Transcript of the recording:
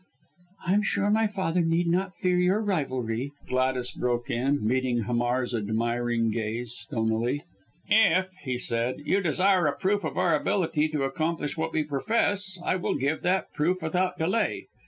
"I'm sure my father need not fear your rivalry," Gladys broke in, meeting Hamar's admiring gaze stonily. Hamar bowed. "If," he said, "you desire a proof of our ability to accomplish what we profess, I will give that proof without delay.